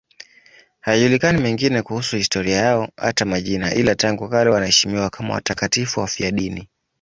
Hayajulikani mengine kuhusu historia yao, hata majina, ila tangu kale wanaheshimiwa kama watakatifu wafiadini.